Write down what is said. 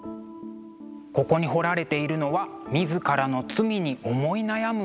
ここに彫られているのは自らの罪に思い悩む人々。